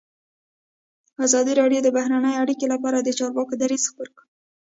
ازادي راډیو د بهرنۍ اړیکې لپاره د چارواکو دریځ خپور کړی.